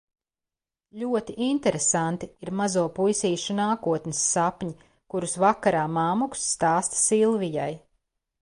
Loti interesanti ir mazo puisīšu nākotnes sapņi, kurus vakarā mammuks stāsta Silvijai.